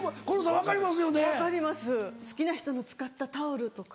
分かります好きな人の使ったタオルとか。